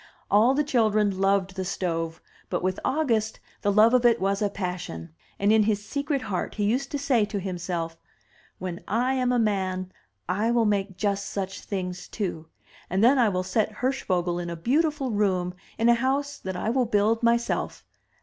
All the children loved the stove, but with August the love of it was a passion; and in his secret heart he used to say to himself, "When I am a man, I will make just such things too, and then I will set Hirsch vogel in a beautiful room in a house that I will build myself.